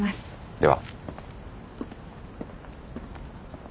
では。